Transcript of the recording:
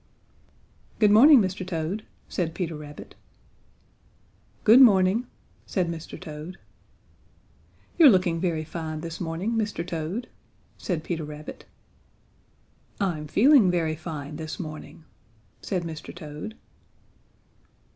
"Good morning, Mr. Toad," said Peter Rabbit. "Good morning," said Mr. Toad. "You're looking very fine this morning, Mr. Toad," said Peter Rabbit. "I'm feeling very fine this morning," said Mr. Toad.